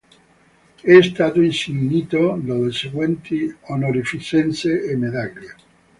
È stato insignito delle seguenti onorificenze e medaglie.